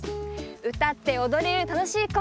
うたっておどれるたのしいコンサート。